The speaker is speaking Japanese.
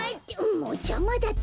もうじゃまだって。